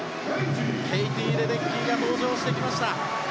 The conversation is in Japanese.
ケイティ・レデッキーが登場してきました。